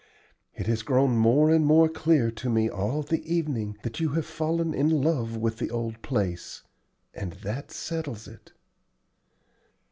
It has grown more and more clear to me all the evening that you have fallen in love with the old place, and that settles it."